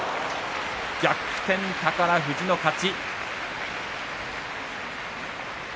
逆転、宝富士の勝ち。